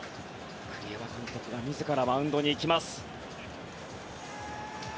栗山監督が自らマウンドに行きます。